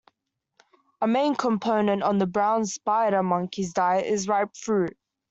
A main component of the brown spider monkey's diet is ripe fruit.